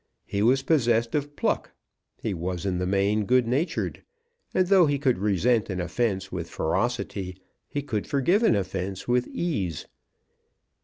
He was possessed of pluck. He was in the main good natured. And though he could resent an offence with ferocity, he could forgive an offence with ease.